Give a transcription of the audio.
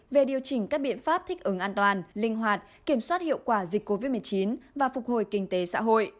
về điều chỉnh các biện pháp thích ứng an toàn linh hoạt kiểm soát hiệu quả dịch covid một mươi chín và phục hồi kinh tế xã hội